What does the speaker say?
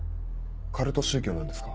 カルト宗教なんですか？